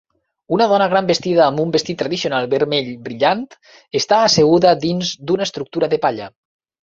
Una dona gran vestida amb un vestit tradicional vermell brillant està asseguda dins d'una estructura de palla.